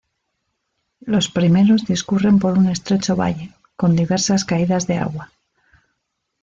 Los primeros discurren por un estrecho valle, con diversas caídas de agua.